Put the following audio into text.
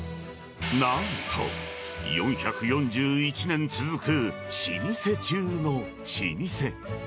なんと、４４１年続く老舗中の老舗。